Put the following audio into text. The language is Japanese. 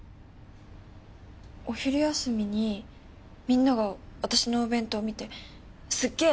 お昼休みにみんなが私のお弁当見てすげえ！